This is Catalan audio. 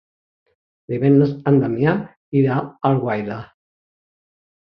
Divendres en Damià irà a Alguaire.